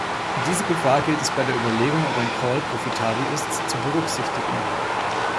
Diese Gefahr gilt es bei der Überlegung, ob ein Call profitabel ist, zu berücksichtigen.